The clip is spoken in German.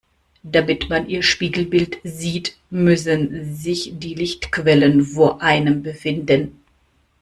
Damit man ihr Spiegelbild sieht, müssen sich die Lichtquellen vor einem befinden.